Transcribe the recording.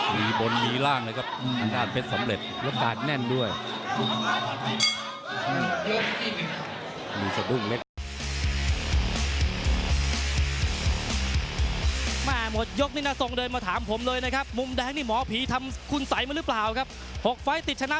มีบนมีล่างนะครับอันด้านเป็นสำเร็จ